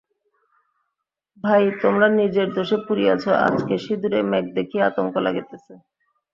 ভাই, তোমরা নিজের দোষে পুড়িয়াছ, আজকে সিঁদুরে মেঘ দেখিয়া আতঙ্ক লাগিতেছে।